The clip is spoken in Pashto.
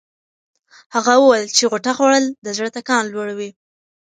هغه وویل چې غوطه خوړل د زړه ټکان لوړوي.